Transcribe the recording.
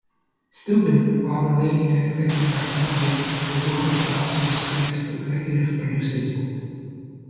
Stupin, while remaining an executive at Columbia, was one of "Dawson's Creek's" executive producers.